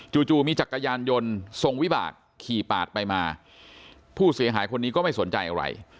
จู่มีจักรยานยนต์ทรงวิบากขี่ปาดไปมาผู้เสียหายคนนี้ก็ไม่สนใจอะไร